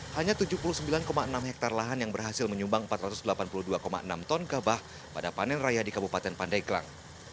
hanya tujuh puluh sembilan enam hektare lahan yang berhasil menyumbang empat ratus delapan puluh dua enam ton gabah pada panen raya di kabupaten pandeglang